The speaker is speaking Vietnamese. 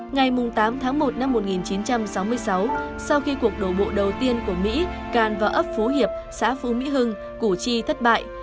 ngày tám tháng một năm một nghìn chín trăm sáu mươi sáu sau khi cuộc đổ bộ đầu tiên của mỹ càn vào ấp phú hiệp xã phú mỹ hưng củ chi thất bại